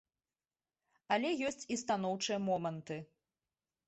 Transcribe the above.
Але ёсць і станоўчыя моманты.